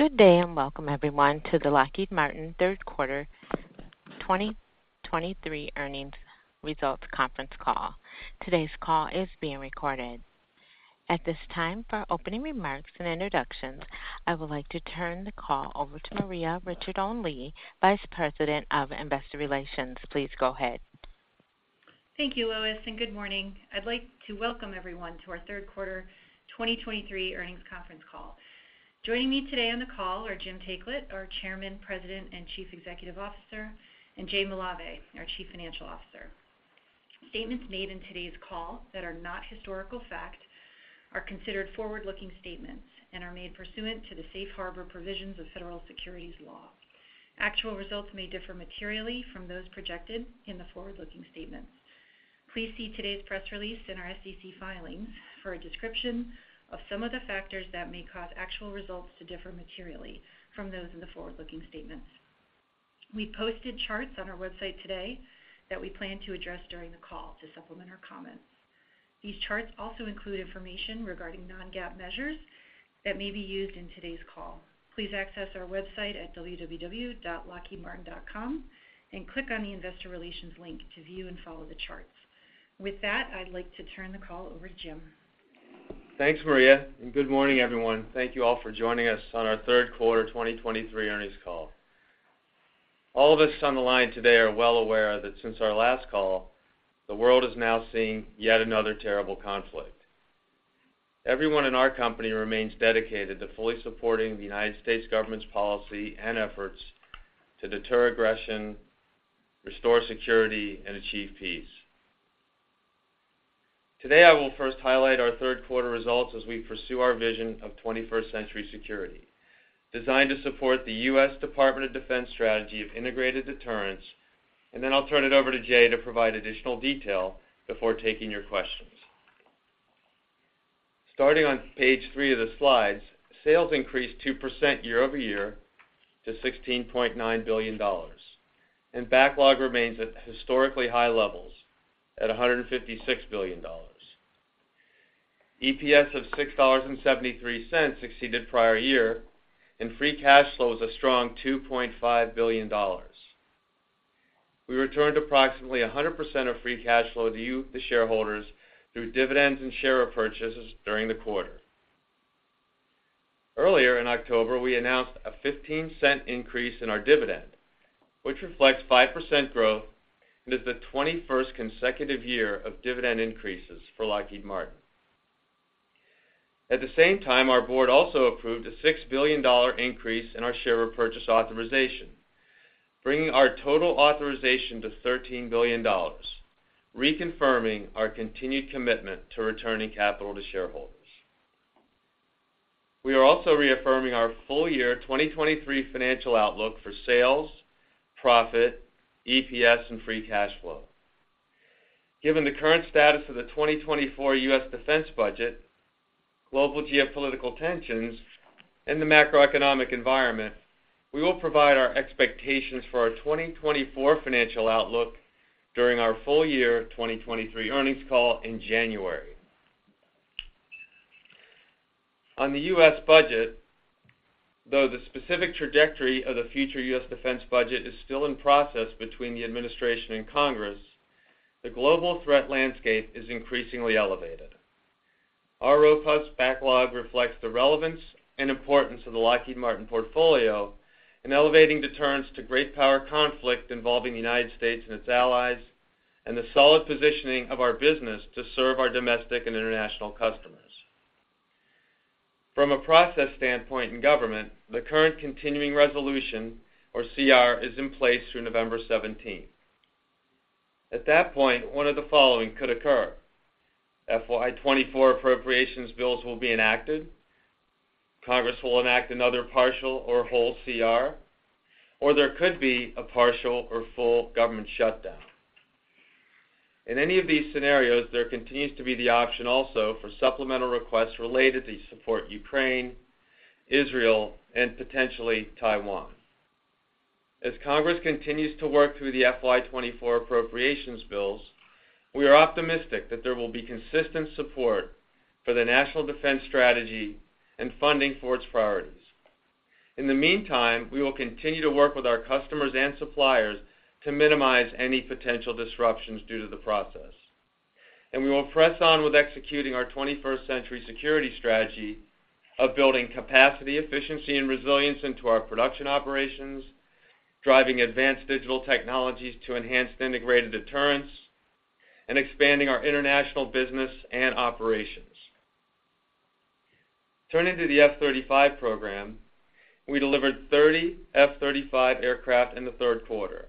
Good day, and welcome, everyone, to the Lockheed Martin Q3 2023 earnings results conference call. Today's call is being recorded. At this time, for opening remarks and introductions, I would like to turn the call over to Maria Ricciardone Lee, Vice President of Investor Relations. Please go ahead. Thank you, Lois, and good morning. I'd like to welcome everyone to our Q3 2023 earnings conference call. Joining me today on the call are Jim Taiclet, our Chairman, President, and Chief Executive Officer, and Jay Malave, our Chief Financial Officer. Statements made in today's call that are not historical fact are considered forward-looking statements and are made pursuant to the safe harbor provisions of federal securities law. Actual results may differ materially from those projected in the forward-looking statements. Please see today's press release in our SEC filings for a description of some of the factors that may cause actual results to differ materially from those in the forward-looking statements. We posted charts on our website today that we plan to address during the call to supplement our comments. These charts also include information regarding non-GAAP measures that may be used in today's call. Please access our website at www.lockheedmartin.com and click on the Investor Relations link to view and follow the charts. With that, I'd like to turn the call over to Jim. Thanks, Maria, and good morning, everyone. Thank you all for joining us on our Q3 2023 earnings call. All of us on the line today are well aware that since our last call, the world is now seeing yet another terrible conflict. Everyone in our company remains dedicated to fully supporting the United States government's policy and efforts to deter aggression, restore security, and achieve peace. Today, I will first highlight our Q3 results as we pursue our vision of 21st century security, designed to support the U.S. Department of Defense strategy of integrated deterrence, and then I'll turn it over to Jay to provide additional detail before taking your questions. Starting on page 3 of the slides, sales increased 2% year-over-year to $16.9 billion, and backlog remains at historically high levels at $156 billion. EPS of $6.73 exceeded prior year, and free cash flow is a strong $2.5 billion. We returned approximately 100% of free cash flow to you, the shareholders, through dividends and share repurchases during the quarter. Earlier in October, we announced a $0.15 increase in our dividend, which reflects 5% growth and is the 21st consecutive year of dividend increases for Lockheed Martin. At the same time, our board also approved a $6 billion increase in our share repurchase authorization, bringing our total authorization to $13 billion, reconfirming our continued commitment to returning capital to shareholders. We are also reaffirming our full-year 2023 financial outlook for sales, profit, EPS, and free cash flow. Given the current status of the 2024 U.S. defense budget, global geopolitical tensions, and the macroeconomic environment, we will provide our expectations for our 2024 financial outlook during our full year 2023 earnings call in January. On the U.S. budget, though the specific trajectory of the future U.S. defense budget is still in process between the administration and Congress, the global threat landscape is increasingly elevated. Our robust backlog reflects the relevance and importance of the Lockheed Martin portfolio in elevating deterrence to great power, conflict involving the United States and its allies, and the solid positioning of our business to serve our domestic and international customers. From a process standpoint in government, the current continuing resolution, or CR, is in place through November 17. At that point, one of the following could occur: FY 2024 appropriations bills will be enacted, Congress will enact another partial or whole CR, or there could be a partial or full government shutdown. In any of these scenarios, there continues to be the option also for supplemental requests related to support Ukraine, Israel, and potentially Taiwan. As Congress continues to work through the FY 2024 appropriations bills, we are optimistic that there will be consistent support for the National Defense Strategy and funding for its priorities. In the meantime, we will continue to work with our customers and suppliers to minimize any potential disruptions due to the process. We will press on with executing our 21st Century Security strategy of building capacity, efficiency, and resilience into our production operations, driving advanced digital technologies to enhance Integrated Deterrence, and expanding our international business and operations. Turning to the F-35 program, we delivered 30 F-35 aircraft in the Q3,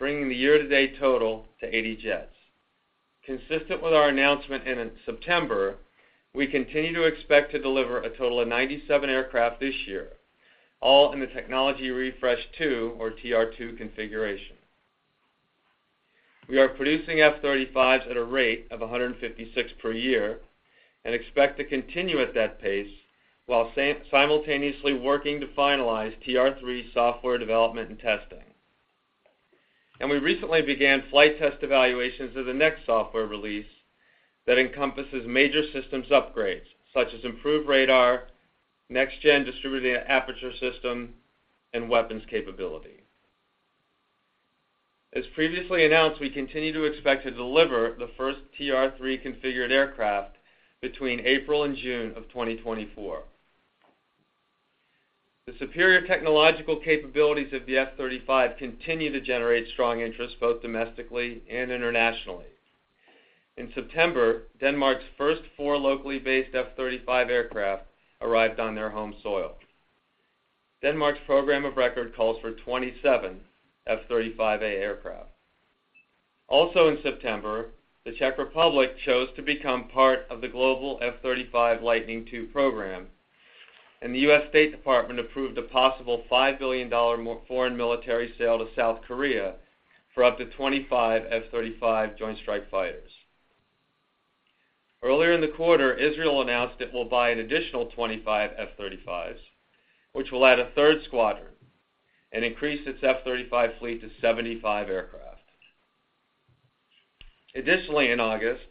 bringing the year-to-date total to 80 jets. Consistent with our announcement in September, we continue to expect to deliver a total of 97 aircraft this year, all in the Technology Refresh 2 or TR-2 configuration. We are producing F-35s at a rate of 156 per year and expect to continue at that pace while simultaneously working to finalize TR-3 software development and testing, and we recently began flight test evaluations of the next software release that encompasses major systems upgrades, such as improved radar, next-gen Distributed Aperture System, and weapons capability. As previously announced, we continue to expect to deliver the first TR-3 configured aircraft between April and June of 2024. The superior technological capabilities of the F-35 continue to generate strong interest, both domestically and internationally. In September, Denmark's first 4 locally based F-35 aircraft arrived on their home soil. Denmark's program of record calls for 27 F-35A aircraft. Also, in September, the Czech Republic chose to become part of the global F-35 Lightning II program, and the U.S. State Department approved a possible $5 billion more foreign military sale to South Korea for up to 25 F-35 joint strike fighters. Earlier in the quarter, Israel announced it will buy an additional 25 F-35s, which will add a third squadron and increase its F-35 fleet to 75 aircraft. Additionally, in August,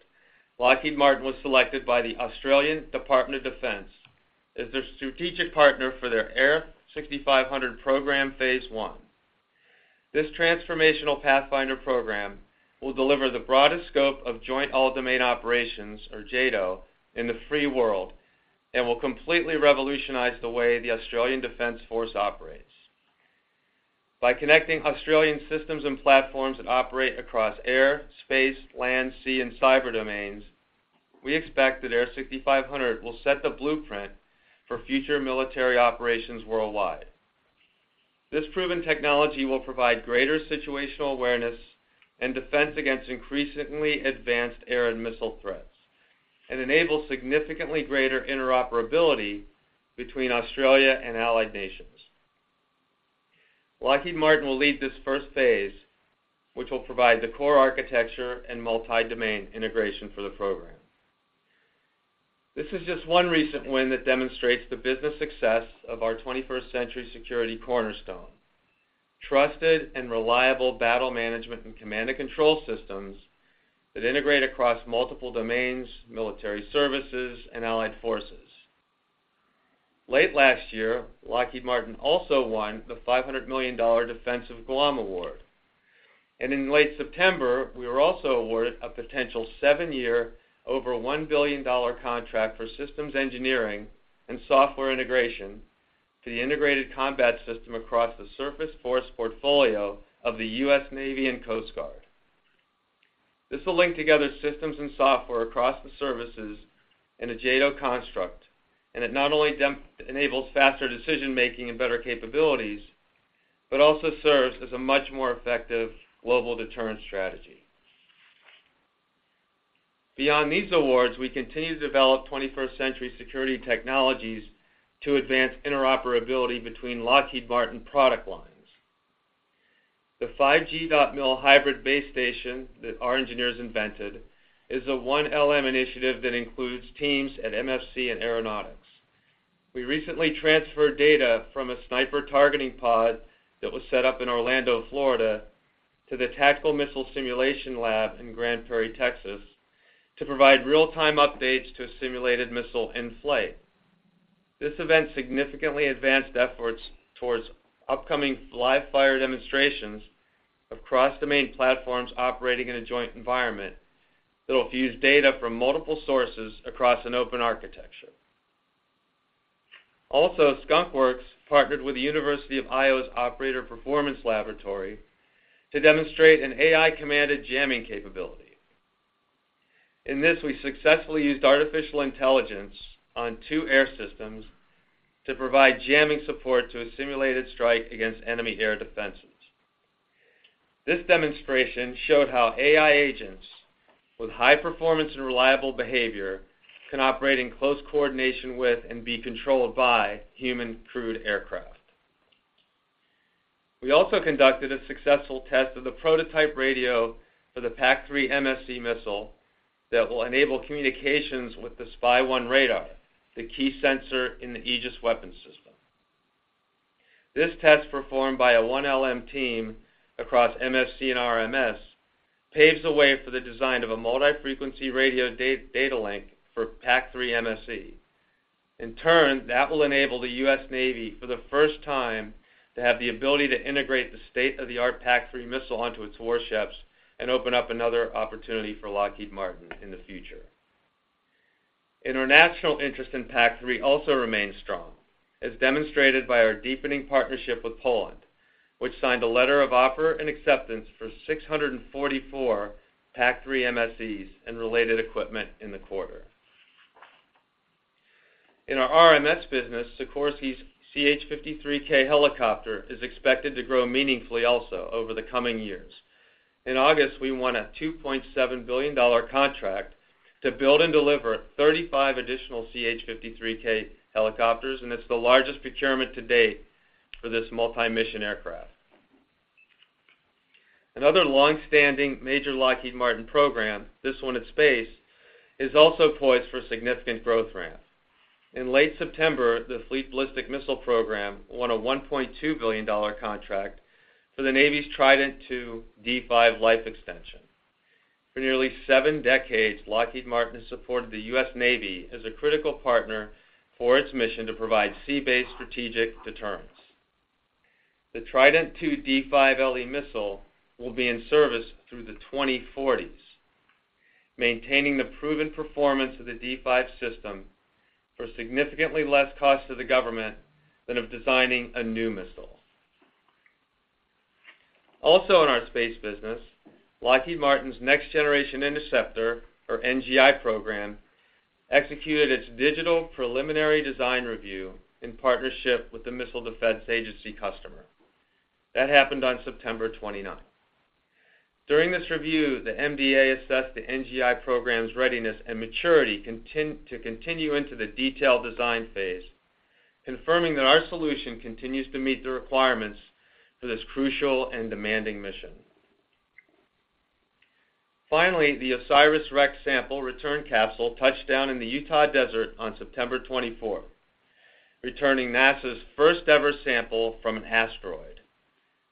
Lockheed Martin was selected by the Australian Department of Defence as their strategic partner for their AIR6500 Program, phase one. This transformational pathfinder program will deliver the broadest scope of joint all-domain operations, or JADO, in the free world and will completely revolutionize the way the Australian Defence Force operates. By connecting Australian systems and platforms that operate across air, space, land, sea, and cyber domains, we expect that AIR6500 will set the blueprint for future military operations worldwide. This proven technology will provide greater situational awareness and defense against increasingly advanced air and missile threats, and enable significantly greater interoperability between Australia and allied nations. Lockheed Martin will lead this first phase, which will provide the core architecture and multi-domain integration for the program. This is just one recent win that demonstrates the business success of our 21st Century Security cornerstone, trusted and reliable battle management and command and control systems that integrate across multiple domains, military services, and allied forces. Late last year, Lockheed Martin also won the $500 million Defense of Guam award, and in late September, we were also awarded a potential seven-year, over $1 billion contract for systems engineering and software integration to the Integrated Combat System across the surface force portfolio of the U.S. Navy and Coast Guard. This will link together systems and software across the services in a JADO construct, and it not only enables faster decision-making and better capabilities, but also serves as a much more effective global deterrence strategy. Beyond these awards, we continue to develop 21st Century Security technologies to advance interoperability between Lockheed Martin product lines. The 5G.MIL hybrid base station that our engineers invented is a One LM initiative that includes teams at MFC and Aeronautics. We recently transferred data from a Sniper targeting pod that was set up in Orlando, Florida, to the Tactical Missile Simulation Lab in Grand Prairie, Texas, to provide real-time updates to a simulated missile in flight. This event significantly advanced efforts towards upcoming live fire demonstrations of cross-domain platforms operating in a joint environment that will fuse data from multiple sources across an open architecture. Also, Skunk Works partnered with the University of Iowa's Operator Performance Laboratory to demonstrate an AI-commanded jamming capability. In this, we successfully used artificial intelligence on two air systems to provide jamming support to a simulated strike against enemy air defenses. This demonstration showed how AI agents with high performance and reliable behavior can operate in close coordination with, and be controlled by, human-crewed aircraft. We also conducted a successful test of the prototype radio for the PAC-3 MSE missile that will enable communications with the SPY-1 radar, the key sensor in the Aegis Weapon System. This test, performed by a One LM team across MFC and RMS, paves the way for the design of a multi-frequency radio data link for PAC-3 MSE. In turn, that will enable the U.S. Navy, for the first time, to have the ability to integrate the state-of-the-art PAC-3 missile onto its warships and open up another opportunity for Lockheed Martin in the future. International interest in PAC-3 also remains strong, as demonstrated by our deepening partnership with Poland, which signed a letter of offer and acceptance for 644 PAC-3 MSEs and related equipment in the quarter. In our RMS business, Sikorsky's CH-53K helicopter is expected to grow meaningfully also over the coming years. In August, we won a $2.7 billion contract to build and deliver 35 additional CH-53K helicopters, and it's the largest procurement to date for this multi-mission aircraft. Another long-standing major Lockheed Martin program, this one in space, is also poised for significant growth ramp.... In late September, the Fleet Ballistic Missile Program won a $1.2 billion contract for the Navy's Trident II D5 life extension. For nearly seven decades, Lockheed Martin has supported the U.S. Navy as a critical partner for its mission to provide sea-based strategic deterrence. The Trident II D5 LE missile will be in service through the 2040s, maintaining the proven performance of the D5 system for significantly less cost to the government than of designing a new missile. Also, in our space business, Lockheed Martin's Next Generation Interceptor, or NGI program, executed its digital preliminary design review in partnership with the Missile Defense Agency customer. That happened on September 29th. During this review, the MDA assessed the NGI program's readiness and maturity to continue into the detailed design phase, confirming that our solution continues to meet the requirements for this crucial and demanding mission. Finally, the OSIRIS-REx sample return capsule touched down in the Utah desert on September 24th, returning NASA's first-ever sample from an asteroid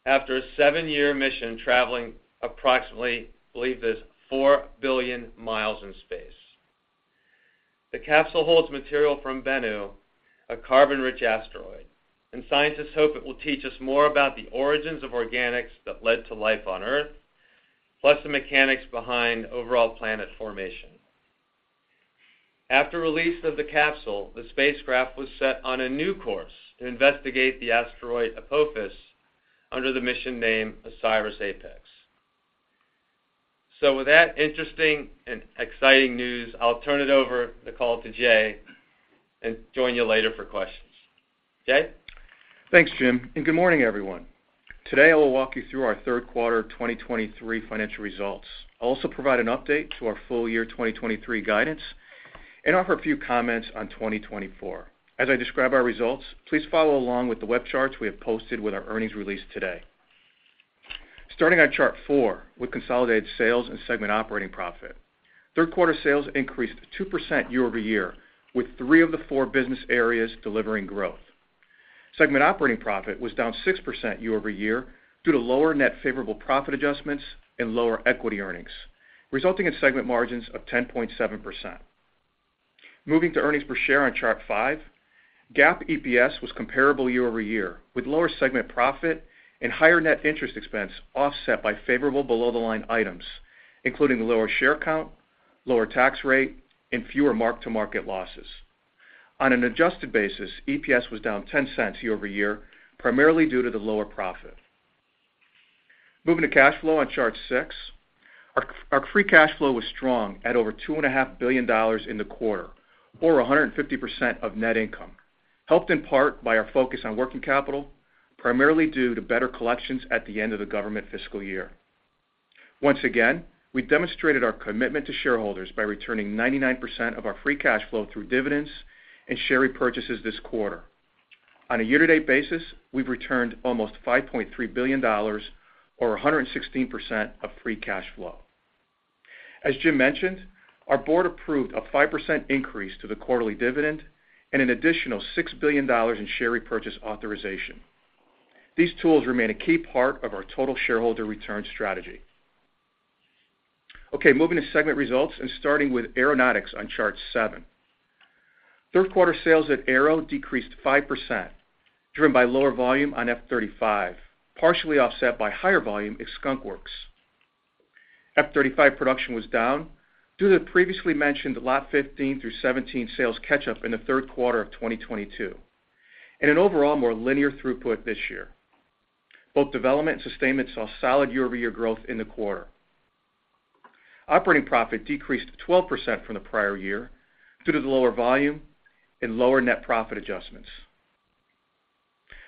after a 7-year mission, traveling approximately, believe this, 4 billion miles in space. The capsule holds material from Bennu, a carbon-rich asteroid, and scientists hope it will teach us more about the origins of organics that led to life on Earth, plus the mechanics behind overall planet formation. After release of the capsule, the spacecraft was set on a new course to investigate the asteroid Apophis, under the mission name OSIRIS-APEX. So with that interesting and exciting news, I'll turn it over, the call, to Jay, and join you later for questions. Jay? Thanks, Jim, and good morning, everyone. Today, I will walk you through our Q3 2023 financial results. I'll also provide an update to our full year 2023 guidance and offer a few comments on 2024. As I describe our results, please follow along with the web charts we have posted with our earnings release today. Starting on chart four, with consolidated sales and segment operating profit. Q3 sales increased 2% year-over-year, with 3 of the 4 business areas delivering growth. Segment operating profit was down 6% year-over-year due to lower net favorable profit adjustments and lower equity earnings, resulting in segment margins of 10.7%. Moving to earnings per share on chart 5, GAAP EPS was comparable year-over-year, with lower segment profit and higher net interest expense offset by favorable below-the-line items, including lower share count, lower tax rate, and fewer mark-to-market losses. On an adjusted basis, EPS was down $0.10 year-over-year, primarily due to the lower profit. Moving to cash flow on chart 6, our free cash flow was strong at over $2.5 billion in the quarter or 150% of net income, helped in part by our focus on working capital, primarily due to better collections at the end of the government fiscal year. Once again, we demonstrated our commitment to shareholders by returning 99% of our free cash flow through dividends and share repurchases this quarter. On a year-to-date basis, we've returned almost $5.3 billion or 116% of free cash flow. As Jim mentioned, our board approved a 5% increase to the quarterly dividend and an additional $6 billion in share repurchase authorization. These tools remain a key part of our total shareholder return strategy. Okay, moving to segment results and starting with Aeronautics on chart seven. Q3 sales at Aero decreased 5%, driven by lower volume on F-35, partially offset by higher volume in Skunk Works. F-35 production was down due to the previously mentioned lot 15 through 17 sales catch-up in the Q3 of 2022 and an overall more linear throughput this year. Both development and sustainment saw solid year-over-year growth in the quarter. Operating profit decreased 12% from the prior year due to the lower volume and lower net profit adjustments.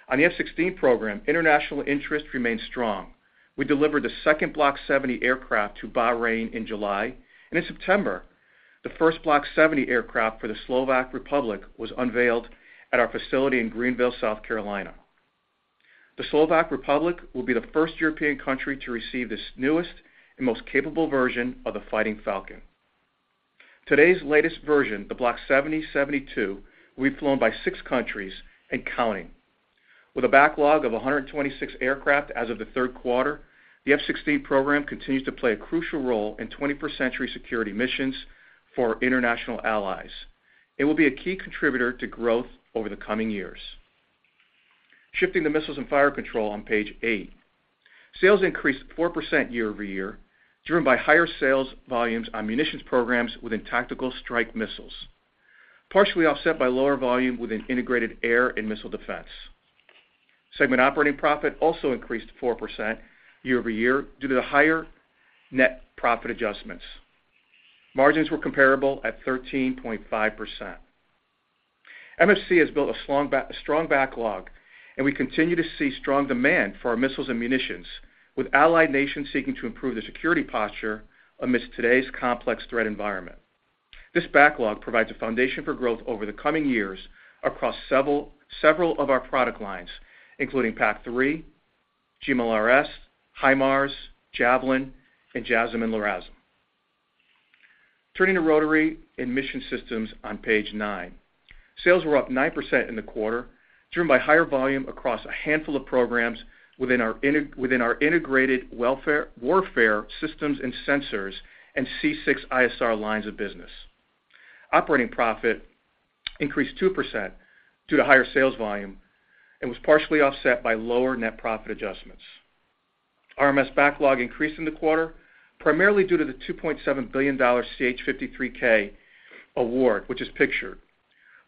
On the F-16 program, international interest remains strong. We delivered the 2nd Block 70 aircraft to Bahrain in July, and in September, the 1st Block 70 aircraft for the Slovak Republic was unveiled at our facility in Greenville, South Carolina. The Slovak Republic will be the first European country to receive this newest and most capable version of the Fighting Falcon. Today's latest version, the Block 70/72, will be flown by six countries and counting. With a backlog of 126 aircraft as of the Q3, the F-16 program continues to play a crucial role in 21st century security missions for our international allies. It will be a key contributor to growth over the coming years. Shifting to Missiles and Fire Control on page 8. Sales increased 4% year-over-year, driven by higher sales volumes on munitions programs within Tactical Strike Missiles, partially offset by lower volume within Integrated Air and Missile Defense. Segment operating profit also increased 4% year-over-year due to the higher net profit adjustments. Margins were comparable at 13.5%. MFC has built a strong backlog, and we continue to see strong demand for our missiles and munitions, with allied nations seeking to improve their security posture amidst today's complex threat environment. This backlog provides a foundation for growth over the coming years across several of our product lines, including PAC-3, GMLRS, HIMARS, Javelin, and JASSM and LRASM. Turning to Rotary and Mission Systems on page nine. Sales were up 9% in the quarter, driven by higher volume across a handful of programs within our within our Integrated Warfare Systems and Sensors and C6ISR lines of business. Operating profit increased 2% due to higher sales volume and was partially offset by lower net profit adjustments. RMS backlog increased in the quarter, primarily due to the $2.7 billion CH-53K award, which is pictured,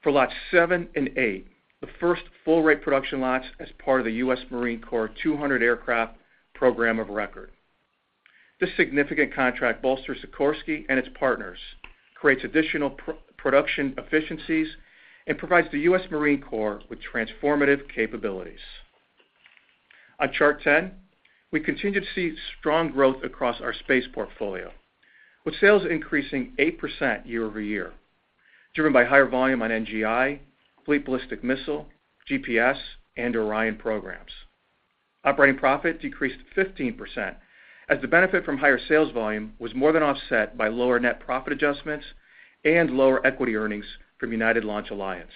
for Lots 7 and 8, the first full rate production lots as part of the U.S. Marine Corps 200 aircraft program of record. This significant contract bolsters Sikorsky and its partners, creates additional production efficiencies, and provides the U.S. Marine Corps with transformative capabilities. On chart 10, we continue to see strong growth across our space portfolio, with sales increasing 8% year-over-year, driven by higher volume on NGI, fleet ballistic missile, GPS, and Orion programs. Operating profit decreased 15%, as the benefit from higher sales volume was more than offset by lower net profit adjustments and lower equity earnings from United Launch Alliance.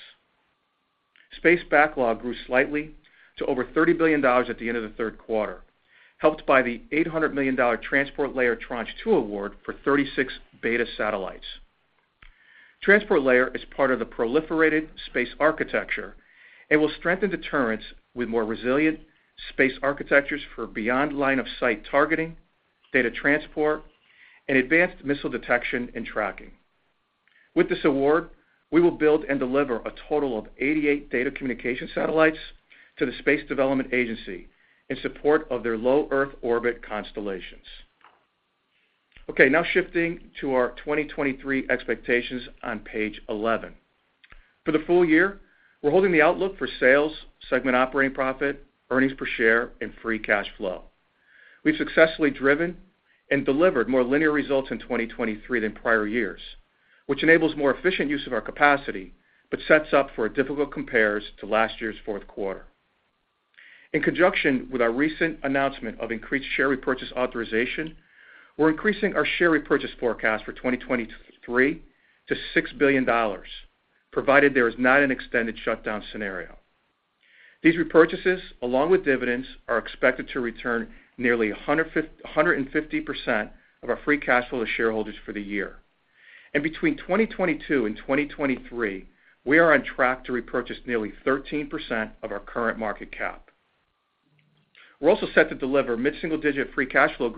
Space backlog grew slightly to over $30 billion at the end of the Q3, helped by the $800 million Transport Layer Tranche 2 award for 36 Beta Satellites. Transport Layer is part of the proliferated space architecture and will strengthen deterrence with more resilient space architectures for beyond line of sight targeting, data transport, and advanced missile detection and tracking. With this award, we will build and deliver a total of 88 data communication satellites to the Space Development Agency in support of their low Earth orbit constellations. Okay, now shifting to our 2023 expectations on page 11. For the full year, we're holding the outlook for sales, segment operating profit, earnings per share, and free cash flow. We've successfully driven and delivered more linear results in 2023 than prior years, which enables more efficient use of our capacity, but sets up for difficult compares to last year's Q4. In conjunction with our recent announcement of increased share repurchase authorization, we're increasing our share repurchase forecast for 2023 to $6 billion, provided there is not an extended shutdown scenario. These repurchases, along with dividends, are expected to return nearly 150% of our free cash flow to shareholders for the year. And between 2022 and 2023, we are on track to repurchase nearly 13% of our current market cap. We're also set to deliver mid-single-digit free cash flow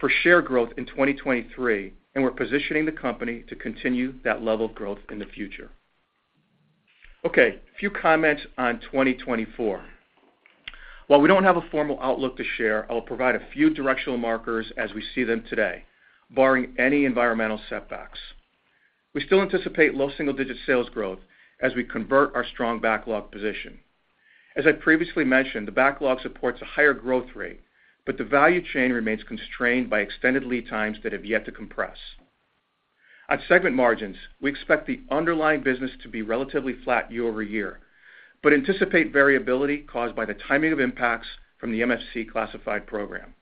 for share growth in 2023, and we're positioning the company to continue that level of growth in the future. Okay, a few comments on 2024. While we don't have a formal outlook to share, I will provide a few directional markers as we see them today, barring any environmental setbacks. We still anticipate low single-digit sales growth as we convert our strong backlog position. As I previously mentioned, the backlog supports a higher growth rate, but the value chain remains constrained by extended lead times that have yet to compress. On segment margins, we expect the underlying business to be relatively flat year-over-year, but anticipate variability caused by the timing of impacts from the MFC classified program.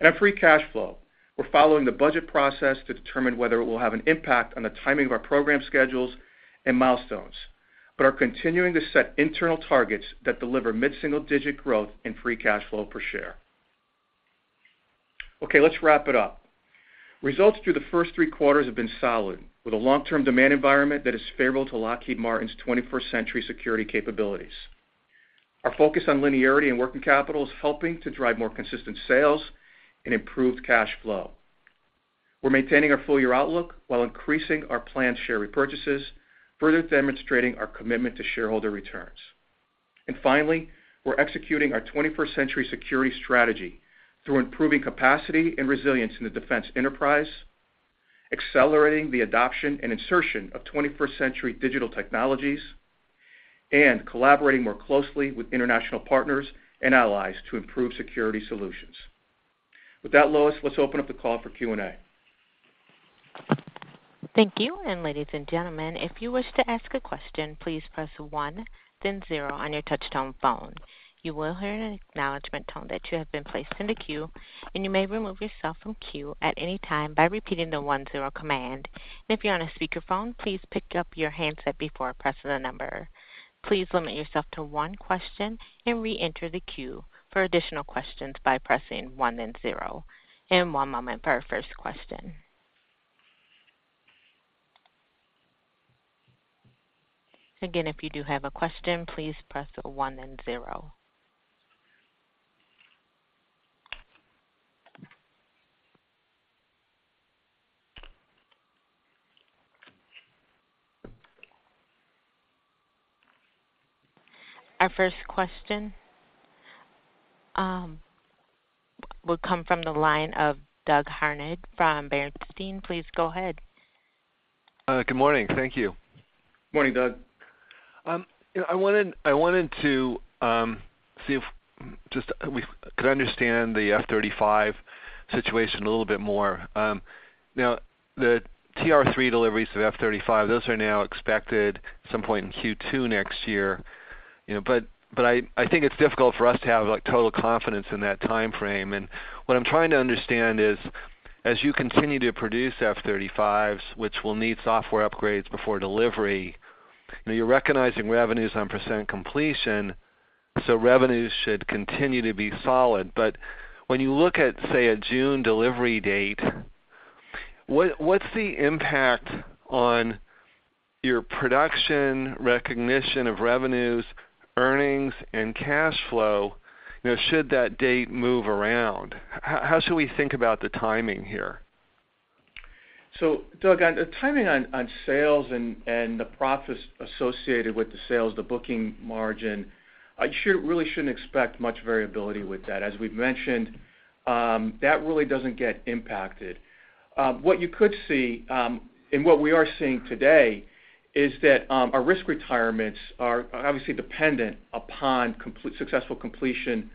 And on free cash flow, we're following the budget process to determine whether it will have an impact on the timing of our program schedules and milestones, but are continuing to set internal targets that deliver mid-single digit growth in free cash flow per share. Okay, let's wrap it up. Results through the first three quarters have been solid, with a long-term demand environment that is favorable to Lockheed Martin's Twenty-first Century Security capabilities. Our focus on linearity and working capital is helping to drive more consistent sales and improved cash flow. We're maintaining our full year outlook while increasing our planned share repurchases, further demonstrating our commitment to shareholder returns. And finally, we're executing our twenty-first century security strategy through improving capacity and resilience in the defense enterprise, accelerating the adoption and insertion of twenty-first century digital technologies, and collaborating more closely with international partners and allies to improve security solutions. With that, Lois, let's open up the call for Q&A. Thank you. And ladies and gentlemen, if you wish to ask a question, please press one, then zero on your touchtone phone. You will hear an acknowledgment tone that you have been placed in the queue, and you may remove yourself from queue at any time by repeating the one-zero command. And if you're on a speakerphone, please pick up your handset before pressing the number. Please limit yourself to one question and reenter the queue for additional questions by pressing one then zero. And one moment for our first question. Again, if you do have a question, please press one then zero. Our first question will come from the line of Doug Harned from Bernstein. Please go ahead. Good morning. Thank you. Morning, Doug. I wanted to see if just we could understand the F-35 situation a little bit more. Now, the TR-3 deliveries of F-35, those are now expected at some point in Q2 next year, you know, but I think it's difficult for us to have, like, total confidence in that time frame. And what I'm trying to understand is, as you continue to produce F-35s, which will need software upgrades before delivery, you know, you're recognizing revenues on percent completion, so revenues should continue to be solid. But when you look at, say, a June delivery date, what's the impact on your production, recognition of revenues, earnings, and cash flow, you know, should that date move around? How should we think about the timing here? So Doug, on the timing on sales and the profits associated with the sales, the booking margin, I sure really shouldn't expect much variability with that. As we've mentioned, that really doesn't get impacted. What you could see, and what we are seeing today is that, our risk retirements are obviously dependent upon successful completion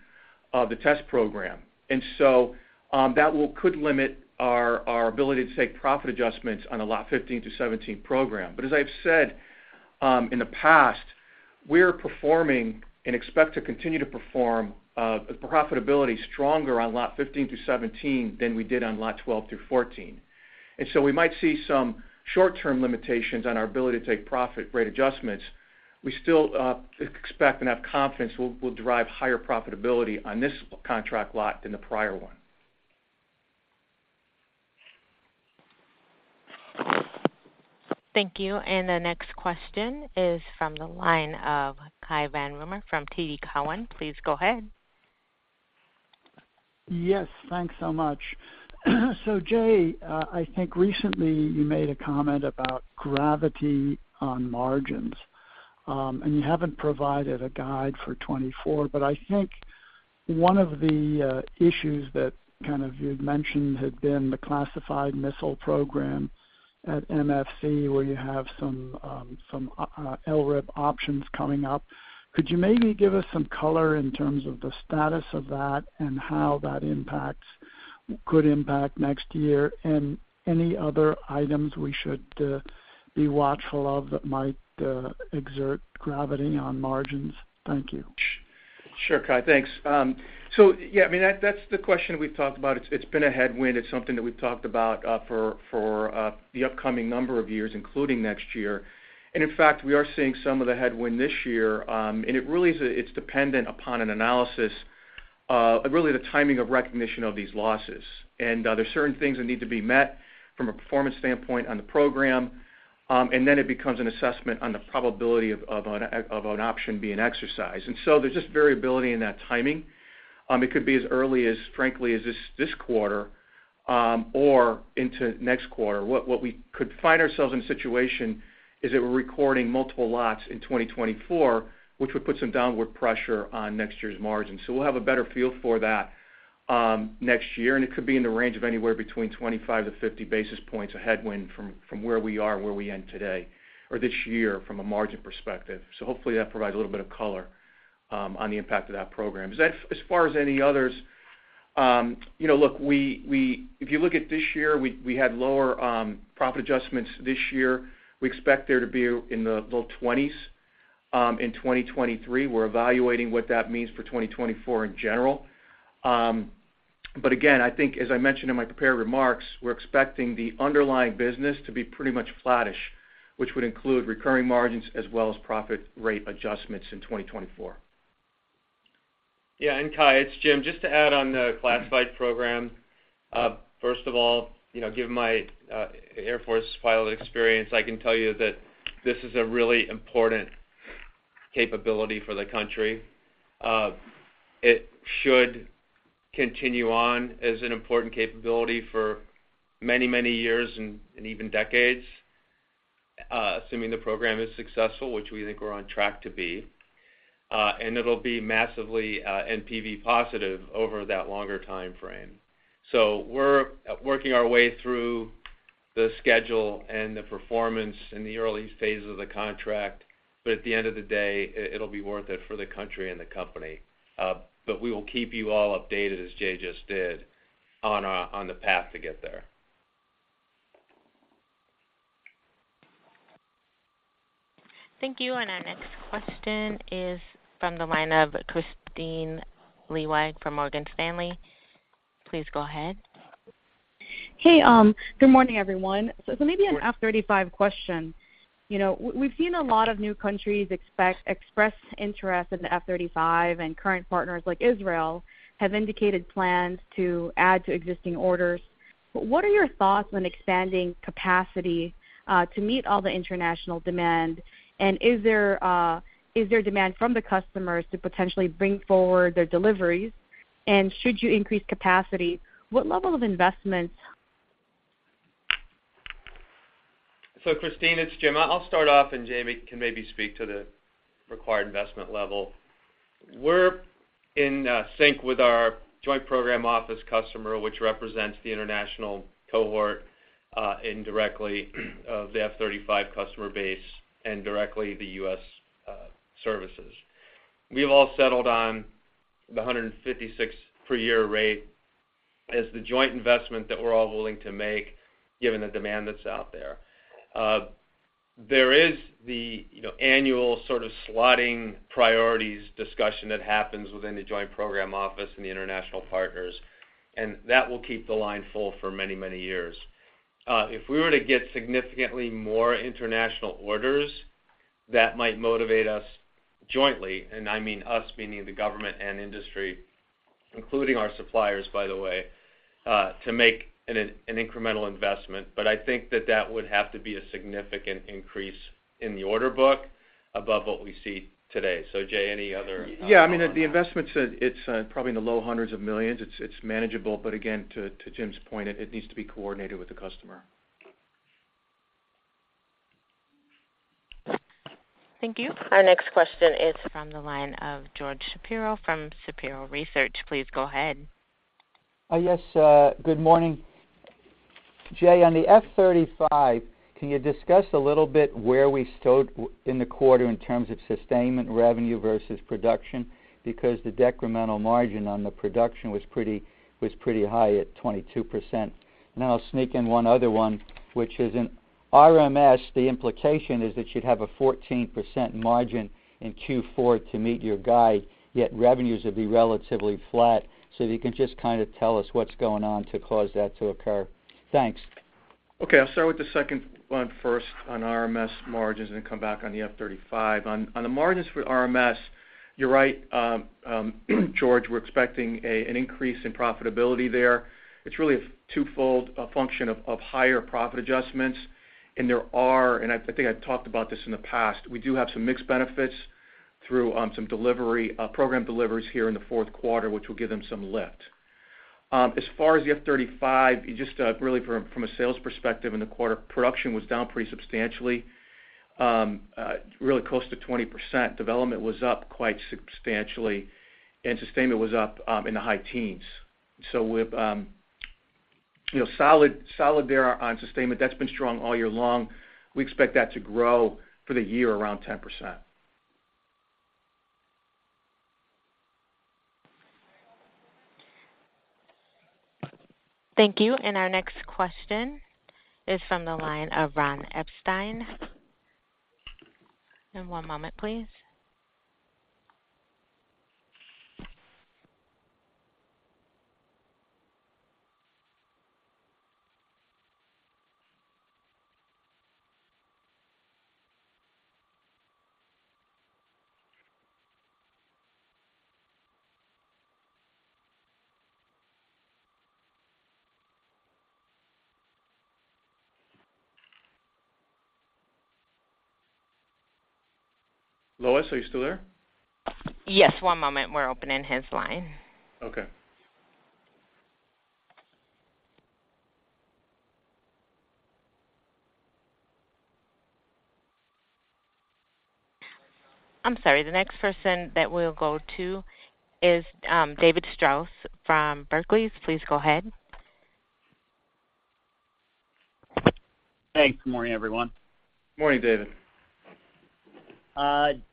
of the test program. And so, that could limit our ability to take profit adjustments on a lot 15 to 17 program. But as I've said, in the past, we are performing and expect to continue to perform profitability stronger on lot 15 to 17 than we did on lot 12 through 14. And so we might see some short-term limitations on our ability to take profit rate adjustments. We still expect and have confidence we'll derive higher profitability on this contract lot than the prior one. Thank you. The next question is from the line of Cai Von Rumohr from TD Cowen. Please go ahead. Yes, thanks so much. So, Jay, I think recently you made a comment about gravity on margins, and you haven't provided a guide for 2024, but I think one of the issues that kind of you'd mentioned had been the classified missile program at MFC, where you have some LRIP options coming up. Could you maybe give us some color in terms of the status of that and how that impacts, could impact next year, and any other items we should be watchful of that might exert gravity on margins? Thank you. Sure, Cai. Thanks. So yeah, I mean, that, that's the question we've talked about. It's been a headwind. It's something that we've talked about for the upcoming number of years, including next year. And in fact, we are seeing some of the headwind this year, and it really is dependent upon an analysis of really the timing of recognition of these losses. And there's certain things that need to be met from a performance standpoint on the program, and then it becomes an assessment on the probability of an option being exercised. And so there's just variability in that timing. It could be as early as, frankly, as this quarter, or into next quarter. What we could find ourselves in a situation is that we're recording multiple lots in 2024, which would put some downward pressure on next year's margin. So we'll have a better feel for that, next year, and it could be in the range of anywhere between 25-50 basis points, a headwind from where we are and where we end today, or this year from a margin perspective. So hopefully that provides a little bit of color on the impact of that program. As far as any others, you know, look, we, if you look at this year, we had lower profit adjustments this year. We expect there to be in the low 20s in 2023. We're evaluating what that means for 2024 in general. But again, I think as I mentioned in my prepared remarks, we're expecting the underlying business to be pretty much flattish, which would include recurring margins as well as profit rate adjustments in 2024. Yeah, and Kai, it's Jim. Just to add on the classified program, first of all, you know, given my Air Force pilot experience, I can tell you that this is a really important capability for the country. It should continue on as an important capability for many, many years and even decades, assuming the program is successful, which we think we're on track to be, and it'll be massively NPV positive over that longer time frame. So we're working our way through the schedule and the performance in the early phases of the contract, but at the end of the day, it, it'll be worth it for the country and the company. But we will keep you all updated, as Jay just did, on the path to get there. Thank you. And our next question is from the line of Kristine Liwag from Morgan Stanley. Please go ahead. Hey, good morning, everyone. So maybe an F-35 question. You know, we've seen a lot of new countries express interest in the F-35, and current partners like Israel have indicated plans to add to existing orders. But what are your thoughts on expanding capacity to meet all the international demand? And is there demand from the customers to potentially bring forward their deliveries? And should you increase capacity, what level of investments? So, Christine, it's Jim. I'll start off, and Jay can maybe speak to the required investment level. We're in sync with our joint program office customer, which represents the international cohort, indirectly, of the F-35 customer base and directly the U.S. services. We've all settled on the 156 per year rate as the joint investment that we're all willing to make, given the demand that's out there. There is the, you know, annual sort of slotting priorities discussion that happens within the Joint Program Office and the international partners, and that will keep the line full for many, many years. If we were to get significantly more international orders, that might motivate us jointly, and I mean us, meaning the government and industry, including our suppliers, by the way, to make an incremental investment. But I think that that would have to be a significant increase in the order book above what we see today. So, Jay, any other- Yeah, I mean, the investments, it's probably in the $low hundreds of millions. It's manageable. But again, to Jim's point, it needs to be coordinated with the customer. Thank you. Our next question is from the line of George Shapiro from Shapiro Research. Please go ahead. Yes, good morning. Jay, on the F-35, can you discuss a little bit where we stood in the quarter in terms of sustainment revenue versus production? Because the decremental margin on the production was pretty, was pretty high at 22%. And then I'll sneak in one other one, which is in RMS, the implication is that you'd have a 14% margin in Q4 to meet your guide, yet revenues would be relatively flat. So if you can just kind of tell us what's going on to cause that to occur? Thanks. Okay, I'll start with the second one first on RMS margins and then come back on the F-35. On the margins for RMS, you're right, George, we're expecting an increase in profitability there. It's really a twofold function of higher profit adjustments, and there are, and I think I've talked about this in the past, we do have some mixed benefits through some delivery program deliveries here in the Q4, which will give them some lift. As far as the F-35, just really from a sales perspective in the quarter, production was down pretty substantially, really close to 20%. Development was up quite substantially, and sustainment was up in the high teens. So with you know, solid there on sustainment, that's been strong all year long. We expect that to grow for the year around 10%. Thank you. Our next question is from the line of Ron Epstein. One moment, please. Lois, are you still there? Yes, one moment. We're opening his line. Okay. I'm sorry. The next person that we'll go to is, David Strauss from Barclays. Please go ahead. Hey, good morning, everyone. Morning, David.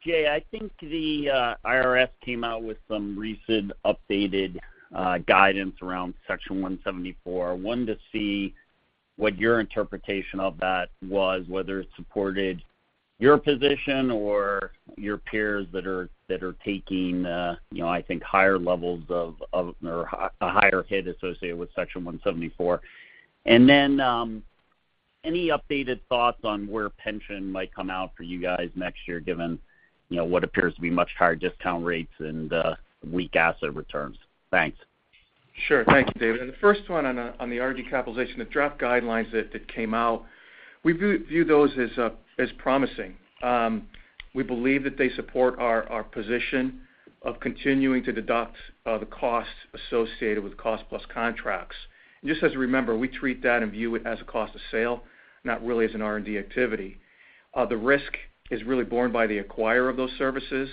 Jay, I think the IRS came out with some recent updated guidance around Section 174. Wanted to see what your interpretation of that was, whether it supported your position or your peers that are taking, you know, I think, higher levels of, or a higher hit associated with Section 174. And then, any updated thoughts on where pension might come out for you guys next year, given, you know, what appears to be much higher discount rates and, weak asset returns? Thanks. Sure. Thank you, David. The first one on the R&D capitalization, the draft guidelines that came out, we view those as promising. We believe that they support our position of continuing to deduct the costs associated with cost-plus contracts. Just as a reminder, we treat that and view it as a cost of sale, not really as an R&D activity. The risk is really borne by the acquirer of those services.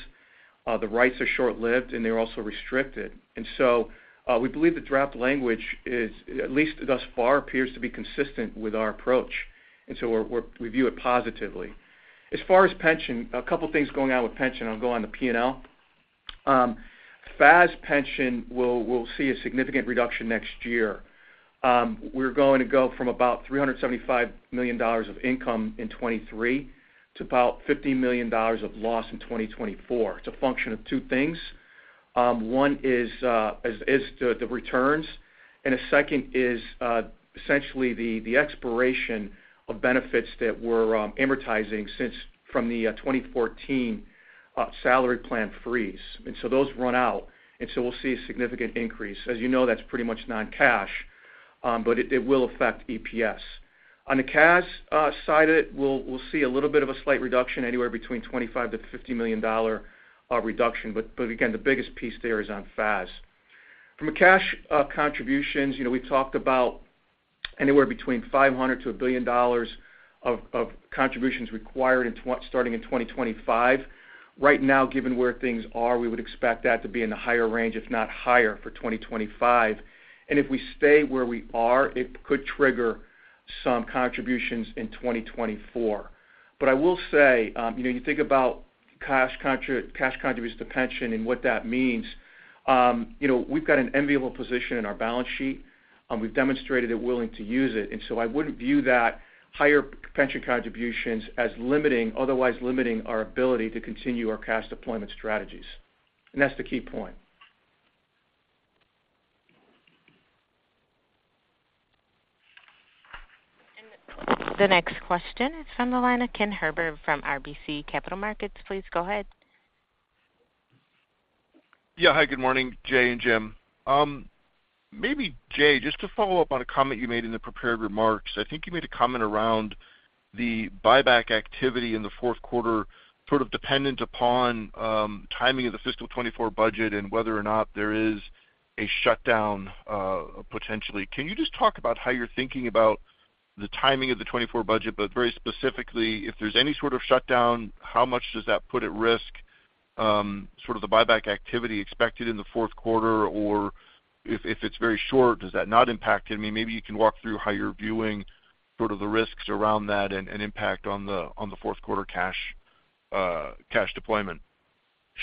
The rights are short-lived, and they're also restricted. And so, we believe the draft language is, at least thus far, appears to be consistent with our approach, and so we view it positively. As far as pension, a couple of things going on with pension, and I'll go on to P&L. FAS pension will see a significant reduction next year. We're going to go from about $375 million of income in 2023, to about $50 million of loss in 2024. It's a function of two things. One is the returns, and the second is essentially the expiration of benefits that we're amortizing from the 2014 salary plan freeze. So those run out, and so we'll see a significant increase. As you know, that's pretty much non-cash, but it will affect EPS. On the cash side of it, we'll see a little bit of a slight reduction, anywhere between $25 million-$50 million reduction. But again, the biggest piece there is on FAS. From a cash contributions, you know, we talked about anywhere between $500 million-$1 billion of contributions required starting in 2025. Right now, given where things are, we would expect that to be in the higher range, if not higher, for 2025. If we stay where we are, it could trigger some contributions in 2024. But I will say, you know, you think about cash contributions to pension and what that means, you know, we've got an enviable position in our balance sheet, and we've demonstrated it willing to use it. So I wouldn't view that higher pension contributions as limiting, otherwise limiting our ability to continue our cash deployment strategies. And that's the key point. The next question is from the line of Ken Herbert from RBC Capital Markets. Please go ahead. Yeah. Hi, good morning, Jay and Jim. Maybe Jay, just to follow up on a comment you made in the prepared remarks. I think you made a comment around the buyback activity in the Q4, sort of dependent upon timing of the fiscal 2024 budget and whether or not there is a shutdown, potentially. Can you just talk about how you're thinking about the timing of the 2024 budget, but very specifically, if there's any sort of shutdown, how much does that put at risk sort of the buyback activity expected in the Q4? Or if it's very short, does that not impact it? I mean, maybe you can walk through how you're viewing sort of the risks around that and impact on the Q4 cash deployment.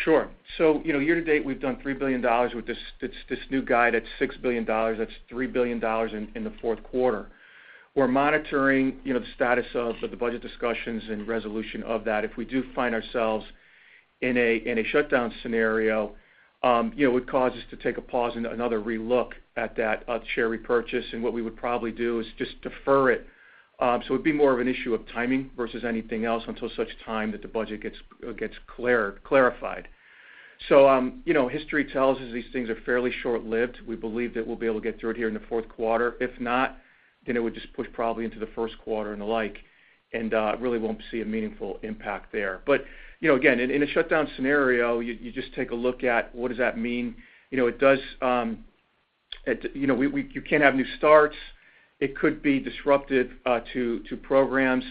Sure. So, you know, year to date, we've done $3 billion with this new guide at $6 billion, that's $3 billion in the Q4. We're monitoring, you know, the status of the budget discussions and resolution of that. If we do find ourselves in a shutdown scenario, you know, it would cause us to take a pause and another relook at that share repurchase, and what we would probably do is just defer it. So it'd be more of an issue of timing versus anything else until such time that the budget gets cleared, clarified. So, you know, history tells us these things are fairly short-lived. We believe that we'll be able to get through it here in the Q4. If not, then it would just push probably into the Q1 and the like, and really won't see a meaningful impact there. But, you know, again, in a shutdown scenario, you just take a look at what does that mean? You know, it does, you know, you can't have new starts. It could be disruptive to programs.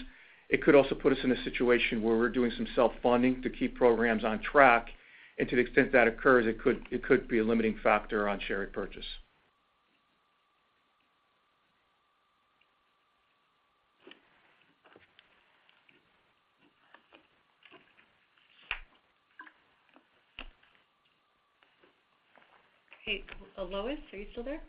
It could also put us in a situation where we're doing some self-funding to keep programs on track. And to the extent that occurs, it could be a limiting factor on share repurchase. Hey, Lois, are you still there?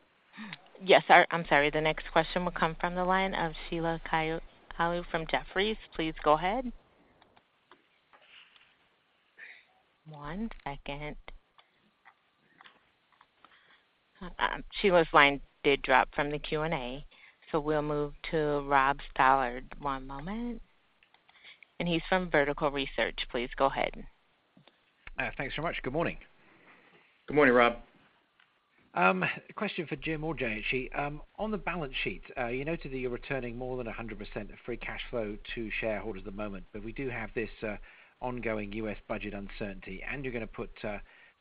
Yes, sir. I'm sorry. The next question will come from the line of Sheila Kahyaoglu from Jefferies. Please go ahead. One second. Sheila's line did drop from the Q&A, so we'll move to Rob Stallard. One moment. And he's from Vertical Research. Please go ahead. Thanks so much. Good morning. Good morning, Rob. Question for Jim or Jay. Actually, on the balance sheet, you noted that you're returning more than 100% of free cash flow to shareholders at the moment, but we do have this ongoing U.S. budget uncertainty, and you're going to put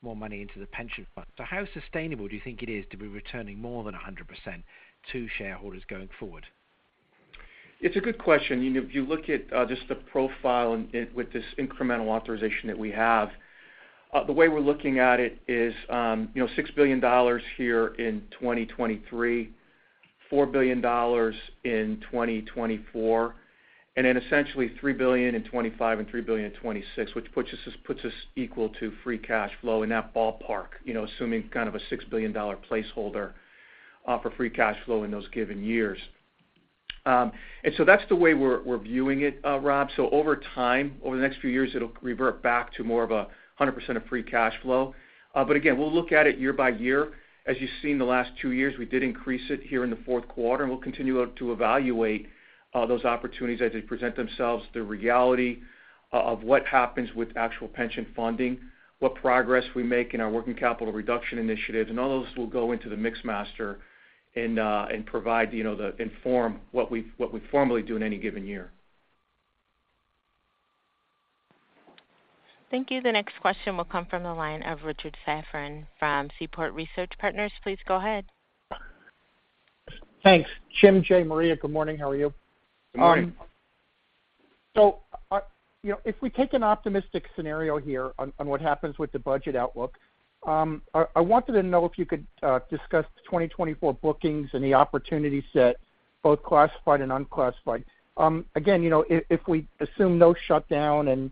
more money into the pension fund. So how sustainable do you think it is to be returning more than 100% to shareholders going forward? It's a good question. You know, if you look at, just the profile and it, with this incremental authorization that we have, the way we're looking at it is, you know, $6 billion here in 2023, $4 billion in 2024, and then essentially $3 billion in 2025 and $3 billion in 2026, which puts us, puts us equal to free cash flow in that ballpark, you know, assuming kind of a $6 billion placeholder, for free cash flow in those given years. And so that's the way we're, we're viewing it, Rob. So over time, over the next few years, it'll revert back to more of a 100% of free cash flow. But again, we'll look at it year by year. As you've seen in the last two years, we did increase it here in the Q4, and we'll continue to evaluate those opportunities as they present themselves, the reality of what happens with actual pension funding, what progress we make in our working capital reduction initiatives, and all those will go into the mix master and provide, you know, the information what we formally do in any given year. Thank you. The next question will come from the line of Richard Safran from Seaport Research Partners. Please go ahead. Thanks. Jim, Jay, Maria, good morning. How are you? Good morning. So, you know, if we take an optimistic scenario here on what happens with the budget outlook, I wanted to know if you could discuss the 2024 bookings and the opportunity set, both classified and unclassified. Again, you know, if we assume no shutdown and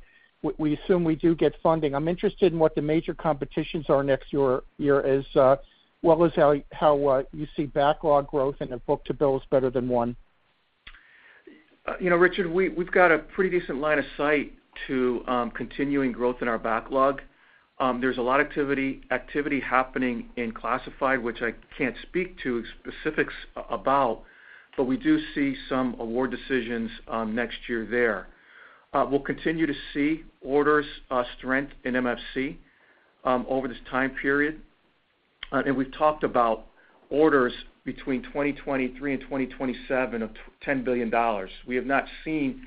we assume we do get funding, I'm interested in what the major competitions are next year, as well as how you see backlog growth and the book to bill is better than one. You know, Richard, we, we've got a pretty decent line of sight to continuing growth in our backlog. There's a lot of activity happening in classified, which I can't speak to specifics about, but we do see some award decisions next year there. We'll continue to see orders strength in MFC over this time period. And we've talked about orders between 2023 and 2027 of $10 billion. We have not seen,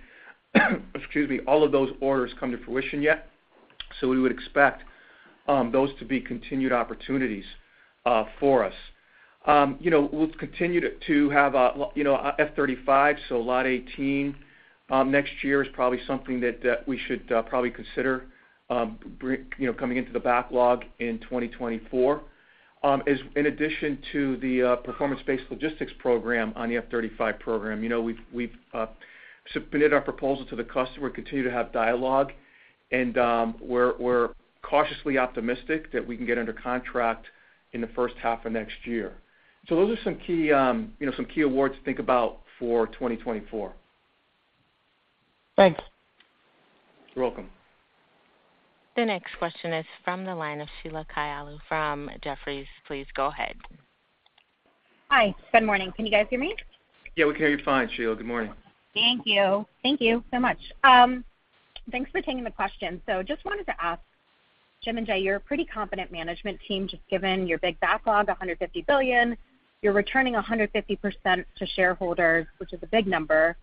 excuse me, all of those orders come to fruition yet, so we would expect those to be continued opportunities for us. You know, we'll continue to have a lot F-35, so Lot 18 next year is probably something that we should probably consider bring, you know, coming into the backlog in 2024. As in addition to the performance-based logistics program on the F-35 program, you know, we've submitted our proposal to the customer. We continue to have dialogue, and we're cautiously optimistic that we can get under contract in the first half of next year. So those are some key, you know, some key awards to think about for 2024. Thanks. You're welcome. The next question is from the line of Sheila Kahyaoglu from Jefferies. Please go ahead. Hi, good morning. Can you guys hear me? Yeah, we can hear you fine, Sheila. Good morning. Thank you. Thank you so much. Thanks for taking the question. So just wanted to ask, Jim and Jay, you're a pretty confident management team, just given your big backlog, $150 billion. You're returning 150% to shareholders, which is a big number.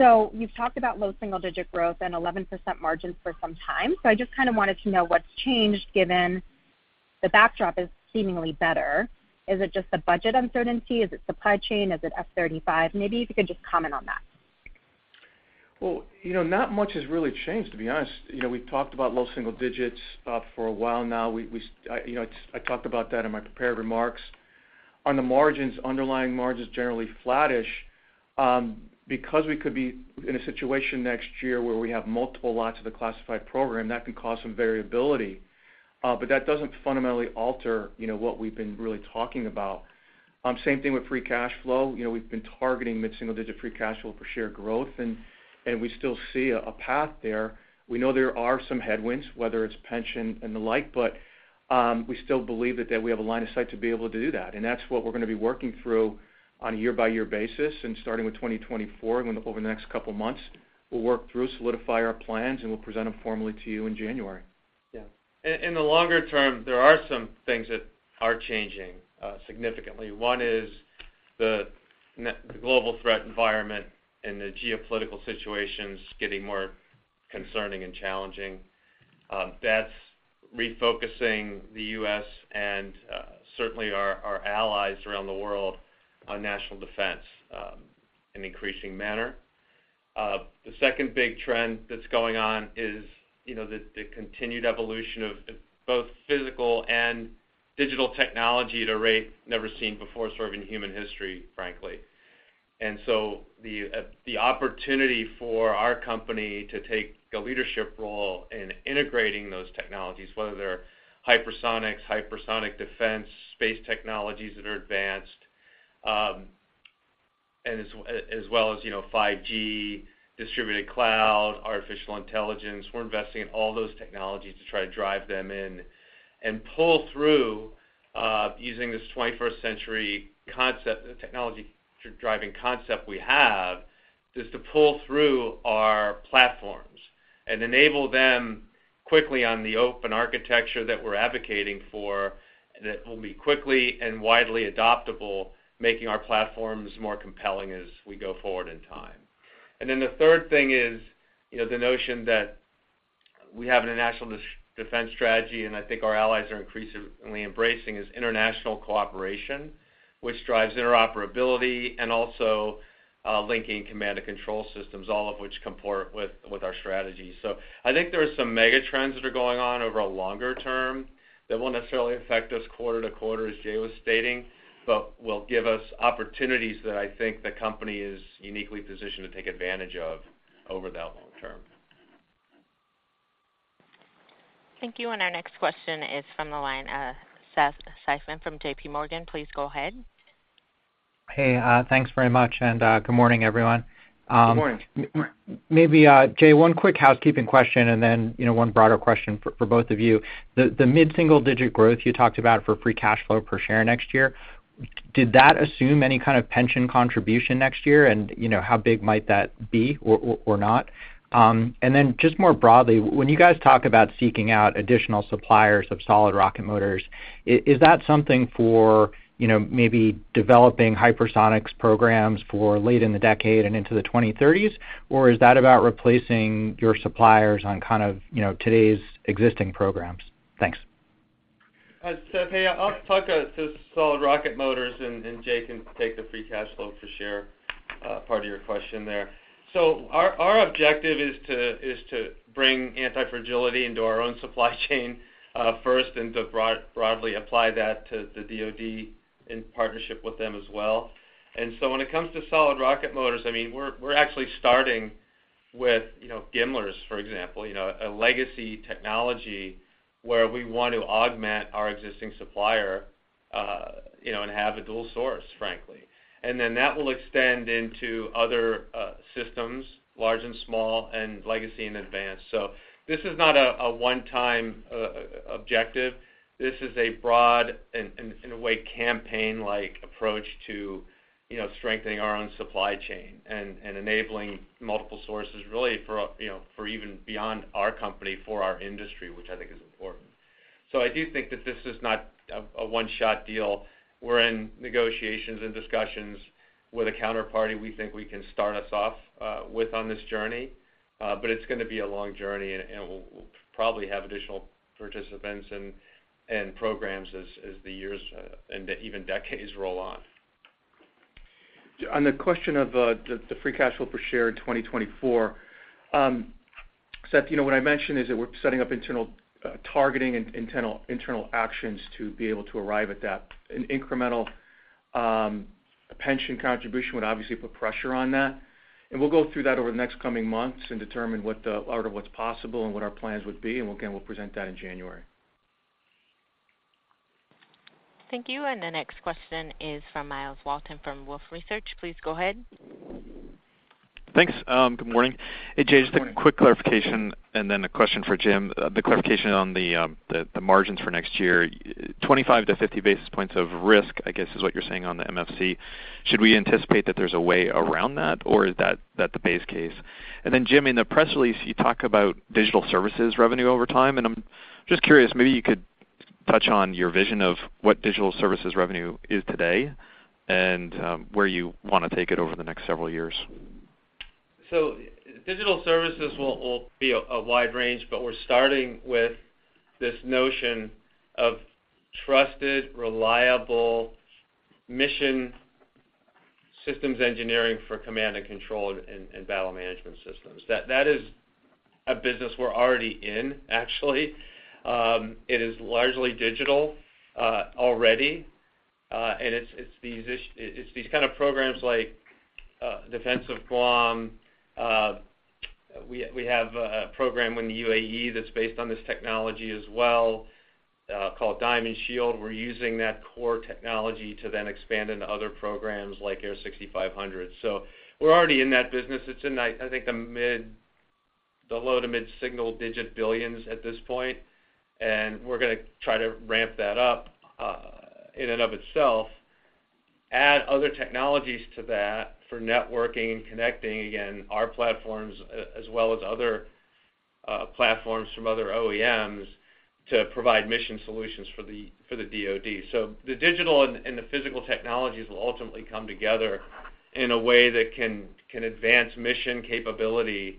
So you've talked about low single digit growth and 11% margins for some time. So I just kind of wanted to know what's changed, given the backdrop is seemingly better. Is it just the budget uncertainty? Is it supply chain? Is it F-35? Maybe if you could just comment on that. Well, you know, not much has really changed, to be honest. You know, we've talked about low single digits for a while now. We, we, I, you know, I talked about that in my prepared remarks. On the margins, underlying margins, generally flattish. Because we could be in a situation next year where we have multiple lots of the classified program, that can cause some variability, but that doesn't fundamentally alter, you know, what we've been really talking about. Same thing with free cash flow. You know, we've been targeting mid-single digit free cash flow per share growth, and, and we still see a path there. We know there are some headwinds, whether it's pension and the like, but we still believe that, that we have a line of sight to be able to do that. And that's what we're gonna be working through on a year-by-year basis, and starting with 2024, and over the next couple of months, we'll work through, solidify our plans, and we'll present them formally to you in January. Yeah. In the longer term, there are some things that are changing significantly. One is the next, the global threat environment and the geopolitical situation's getting more concerning and challenging. That's refocusing the U.S. and certainly our allies around the world on national defense in increasing manner. The second big trend that's going on is, you know, the continued evolution of both physical and digital technology at a rate never seen before, sort of in human history, frankly. And so the opportunity for our company to take a leadership role in integrating those technologies, whether they're hypersonics, hypersonic defense, space technologies that are advanced, and as well as, you know, 5G, distributed cloud, artificial intelligence, we're investing in all those technologies to try to drive them in. And pull through, using this 21st century concept, the technology driving concept we have, is to pull through our platforms and enable them quickly on the open architecture that we're advocating for, that will be quickly and widely adoptable, making our platforms more compelling as we go forward in time. And then the third thing is, you know, the notion that we have a national defense strategy, and I think our allies are increasingly embracing, is international cooperation, which drives interoperability and also, linking command and control systems, all of which comport with our strategy. So I think there are some mega trends that are going on over a longer term that won't necessarily affect us quarter to quarter, as Jay was stating, but will give us opportunities that I think the company is uniquely positioned to take advantage of over the long term. Thank you. Our next question is from the line, Seth Seifman from JP Morgan. Please go ahead. Hey, thanks very much, and, good morning, everyone. Good morning. Good morning. Maybe, Jay, one quick housekeeping question, and then, you know, one broader question for both of you. The mid-single digit growth you talked about for free cash flow per share next year, did that assume any kind of pension contribution next year? And, you know, how big might that be or not? And then just more broadly, when you guys talk about seeking out additional suppliers of solid rocket motors, is that something for, you know, maybe developing hypersonics programs for late in the decade and into the 2030s? Or is that about replacing your suppliers on kind of, you know, today's existing programs? Thanks. Hi, Seth. Hey, I'll talk to solid rocket motors, and Jay can take the free cash flow per share, part of your question there. So our objective is to bring antifragility into our own supply chain, first, and to broadly apply that to the DoD in partnership with them as well. And so when it comes to solid rocket motors, I mean, we're actually starting with, you know, GMLRS, for example, you know, a legacy technology where we want to augment our existing supplier, you know, and have a dual source, frankly. And then that will extend into other systems, large and small, and legacy and advanced. So this is not a one-time objective. This is a broad, in a way, campaign-like approach to, you know, strengthening our own supply chain and enabling multiple sources, really for, you know, for even beyond our company, for our industry, which I think is important. So I do think that this is not a one-shot deal. We're in negotiations and discussions with a counterparty we think we can start us off with on this journey, but it's gonna be a long journey, and we'll probably have additional participants and programs as the years and even decades roll on. On the question of the free cash flow per share in 2024, Seth, you know, what I mentioned is that we're setting up internal targeting and internal actions to be able to arrive at that. An incremental pension contribution would obviously put pressure on that. And we'll go through that over the next coming months and determine what the out of what's possible and what our plans would be, and again, we'll present that in January. Thank you. The next question is from Myles Walton from Wolfe Research. Please go ahead. Thanks. Good morning. Hey, Jay, just a quick clarification, and then a question for Jim. The clarification on the, the margins for next year. 25-50 basis points of risk, I guess, is what you're saying on the MFC. Should we anticipate that there's a way around that, or is that the base case? And then, Jim, in the press release, you talk about digital services revenue over time, and I'm just curious, maybe you could touch on your vision of what digital services revenue is today and, where you want to take it over the next several years. So digital services will be a wide range, but we're starting with this notion of trusted, reliable mission systems engineering for command and control and battle management systems. That is a business we're already in, actually. It is largely digital already, and it's these kind of programs like Defense of Guam. We have a program in the UAE that's based on this technology as well, called Diamond Shield. We're using that core technology to then expand into other programs like AIR 6500. So we're already in that business. It's in, I think, the mid... The low to mid-single-digit billions at this point, and we're gonna try to ramp that up, in and of itself, add other technologies to that for networking and connecting, again, our platforms, as well as other platforms from other OEMs, to provide mission solutions for the DoD. So the digital and the physical technologies will ultimately come together in a way that can advance mission capability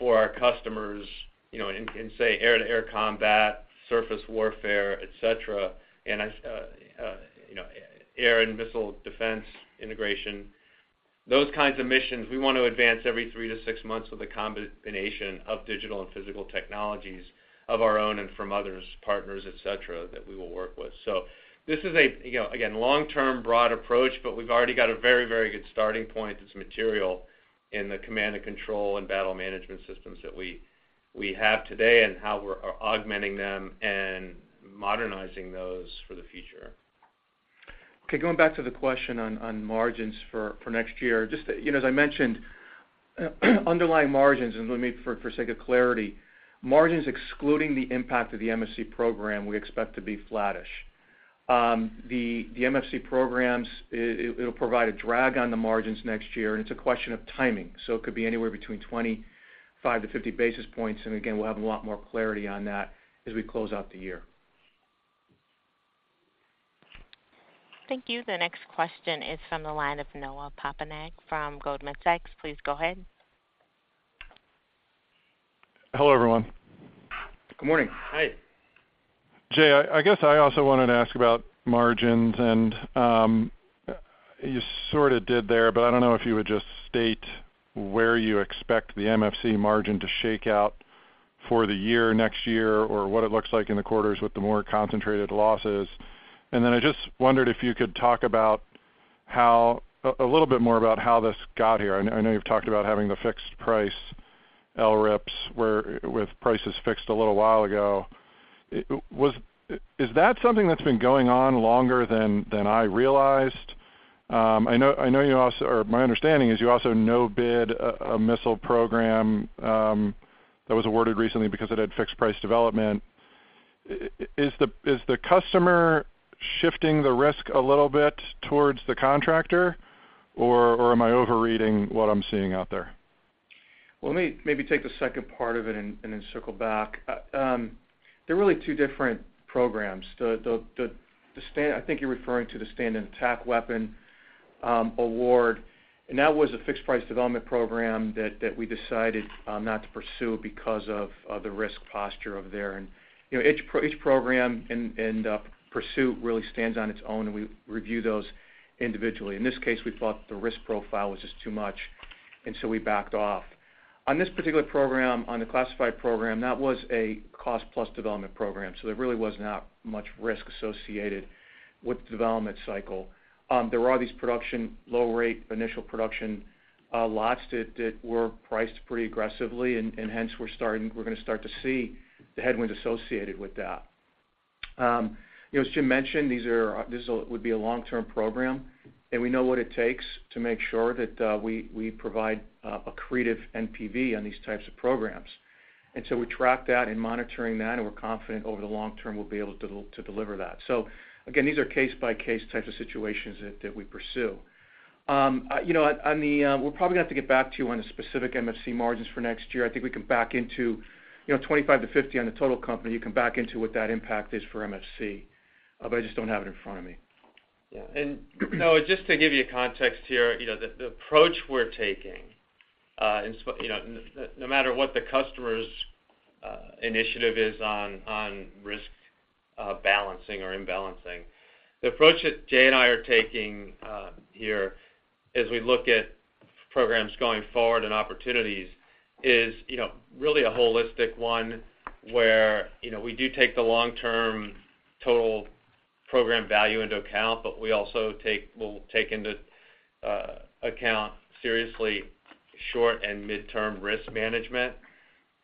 for our customers, you know, in, say, air-to-air combat, surface warfare, et cetera, and as you know, air and missile defense integration. Those kinds of missions, we want to advance every 3-6 months with a combination of digital and physical technologies of our own and from others, partners, et cetera, that we will work with. So this is a, you know, again, long-term, broad approach, but we've already got a very, very good starting point. That's material in the command and control and battle management systems that we have today and how we're augmenting them and modernizing those for the future. Okay, going back to the question on margins for next year. Just, you know, as I mentioned, underlying margins, and let me, for sake of clarity, margins excluding the impact of the MFC program, we expect to be flattish. The MFC programs, it'll provide a drag on the margins next year, and it's a question of timing. So it could be anywhere between 25-50 basis points, and again, we'll have a lot more clarity on that as we close out the year. Thank you. The next question is from the line of Noah Poponak from Goldman Sachs. Please go ahead. Hello, everyone. Good morning. Hi. Jay, I guess I also wanted to ask about margins, and you sort of did there, but I don't know if you would just state where you expect the MFC margin to shake out for the year, next year, or what it looks like in the quarters with the more concentrated losses. And then I just wondered if you could talk about how a little bit more about how this got here. I know you've talked about having the fixed price LRIPs, where with prices fixed a little while ago. Is that something that's been going on longer than I realized? I know you also, or my understanding is you also no-bid a missile program that was awarded recently because it had fixed-price development. Is the customer shifting the risk a little bit towards the contractor, or am I overreading what I'm seeing out there? Well, let me maybe take the second part of it and then circle back. There are really two different programs. The stand—I think you're referring to the Stand-in Attack Weapon award, and that was a fixed price development program that we decided not to pursue because of the risk posture of there. And, you know, each program and pursuit really stands on its own, and we review those individually. In this case, we thought the risk profile was just too much, and so we backed off. On this particular program, on the classified program, that was a cost-plus development program, so there really was not much risk associated with the development cycle. There are these production, low rate, initial production, lots that, that were priced pretty aggressively, and, and hence we're starting, we're gonna start to see the headwinds associated with that. You know, as Jim mentioned, these are, this will, would be a long-term program, and we know what it takes to make sure that, we, we provide, accretive NPV on these types of programs. And so we track that and monitoring that, and we're confident over the long term we'll be able to, to deliver that. So again, these are case-by-case types of situations that, that we pursue. You know, on, on the, we'll probably have to get back to you on the specific MFC margins for next year. I think we can back into, you know, 25-50 on the total company. You can back into what that impact is for MFC, but I just don't have it in front of me. Yeah. And, Noah, just to give you a context here, you know, the approach we're taking, and so, you know, no matter what the customer's initiative is on risk balancing or imbalancing. The approach that Jay and I are taking here, as we look at programs going forward and opportunities, is, you know, really a holistic one, where, you know, we do take the long-term total program value into account, but we also take, we'll take into account seriously short- and mid-term risk management.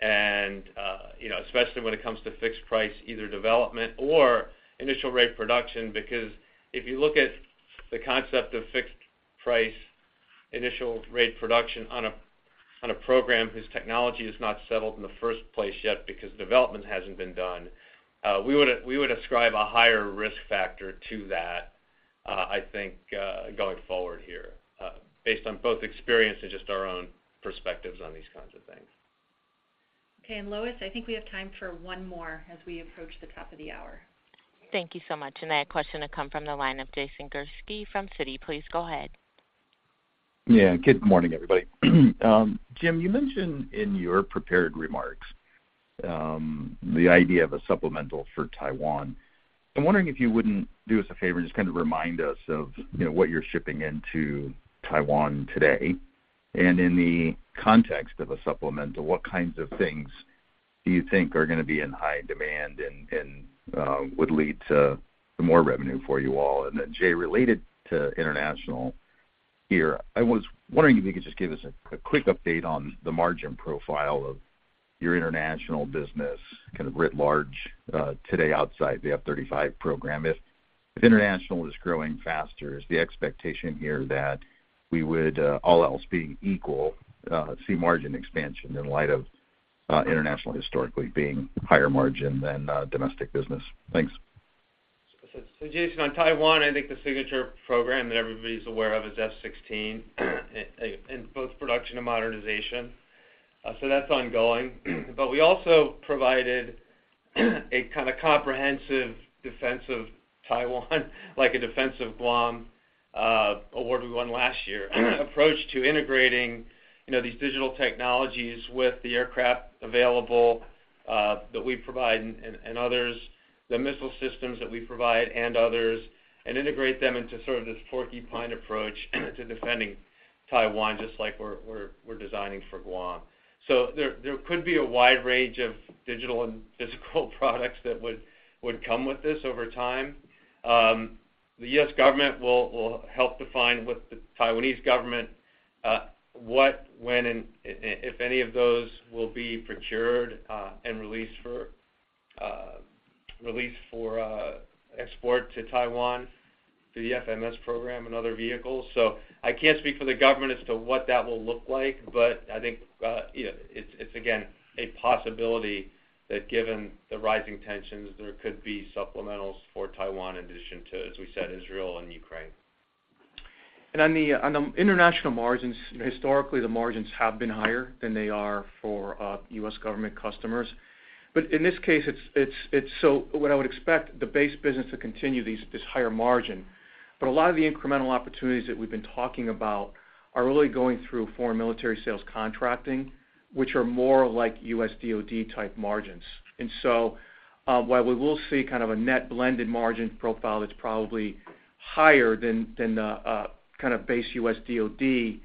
You know, especially when it comes to fixed price, either development or initial rate production, because if you look at the concept of fixed price, initial rate production on a program whose technology is not settled in the first place yet because development hasn't been done, we would ascribe a higher risk factor to that, I think, going forward here, based on both experience and just our own perspectives on these kinds of things. Okay, and Lois, I think we have time for one more as we approach the top of the hour. Thank you so much. I have a question that come from the line of Jason Gursky from Citi. Please go ahead. Yeah. Good morning, everybody. Jim, you mentioned in your prepared remarks the idea of a supplemental for Taiwan. I'm wondering if you wouldn't do us a favor and just kind of remind us of, you know, what you're shipping into Taiwan today, and in the context of a supplemental, what kinds of things do you think are gonna be in high demand and would lead to more revenue for you all? And then, Jay, related to international here, I was wondering if you could just give us a quick update on the margin profile of your international business, kind of writ large, today outside the F-35 program. If international is growing faster, is the expectation here that we would, all else being equal, see margin expansion in light of international historically being higher margin than domestic business? Thanks. So Jason, on Taiwan, I think the signature program that everybody's aware of is F-16 in both production and modernization. So that's ongoing. But we also provided a kind of comprehensive defense of Taiwan, like a defense of Guam, award we won last year, approach to integrating, you know, these digital technologies with the aircraft available that we provide and others, the missile systems that we provide, and others, and integrate them into sort of this porcupine approach to defending Taiwan, just like we're designing for Guam. So there could be a wide range of digital and physical products that would come with this over time. The U.S. government will help define with the Taiwanese government, what, when, and if any of those will be procured, and released for export to Taiwan through the FMS program and other vehicles. So I can't speak for the government as to what that will look like, but I think, you know, it's, again, a possibility that given the rising tensions, there could be supplementals for Taiwan, in addition to, as we said, Israel and Ukraine. On the international margins, historically, the margins have been higher than they are for U.S. government customers. But in this case, it's so what I would expect, the base business to continue this higher margin. But a lot of the incremental opportunities that we've been talking about are really going through Foreign Military Sales contracting, which are more like U.S. DoD-type margins. And so, while we will see kind of a net blended margin profile that's probably higher than the kind of base U.S. DoD,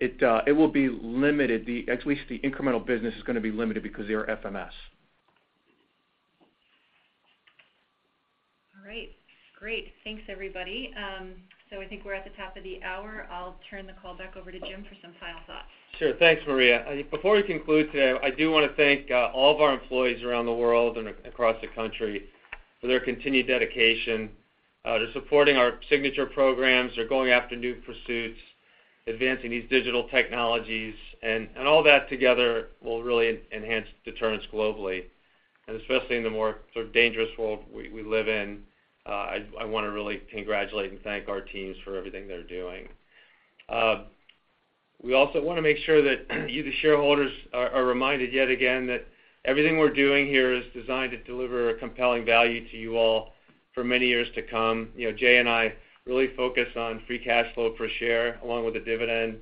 it will be limited. At least the incremental business is gonna be limited because they are FMS. All right. Great. Thanks, everybody. So I think we're at the top of the hour. I'll turn the call back over to Jim for some final thoughts. Sure. Thanks, Maria. Before we conclude today, I do wanna thank all of our employees around the world and across the country for their continued dedication to supporting our signature programs. They're going after new pursuits, advancing these digital technologies, and all that together will really enhance deterrence globally, and especially in the more sort of dangerous world we live in. I wanna really congratulate and thank our teams for everything they're doing. We also wanna make sure that you, the shareholders, are reminded yet again that everything we're doing here is designed to deliver a compelling value to you all for many years to come. You know, Jay and I really focus on free cash flow per share, along with the dividend,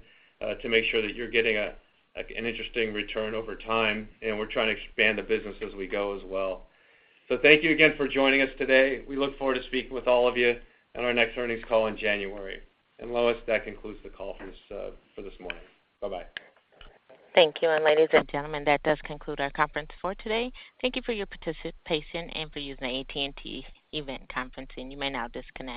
to make sure that you're getting a, like, an interesting return over time, and we're trying to expand the business as we go as well. So thank you again for joining us today. We look forward to speaking with all of you on our next earnings call in January. And Lois, that concludes the call for this, for this morning. Bye-bye. Thank you. Ladies and gentlemen, that does conclude our conference for today. Thank you for your participation and for using AT&T Event Conferencing. You may now disconnect.